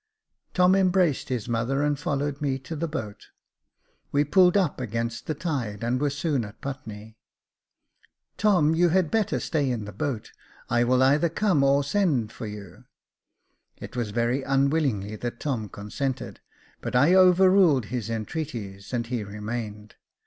Tom embraced his mother and followed me to the boat : we pulled up against the tide, and were soon at Putney. " Tom, you had better stay in the boat. I will either come or send for you." It was very unwillingly that Tom consented, but I over ruled his entreaties, and he remained.